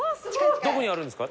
どこにあるんですか？